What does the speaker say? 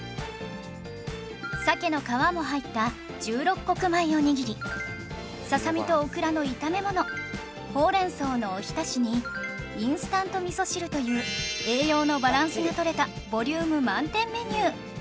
鮭の皮も入った十六穀米おにぎりささみとオクラの炒め物ほうれん草のおひたしにインスタント味噌汁という栄養のバランスがとれたボリューム満点メニュー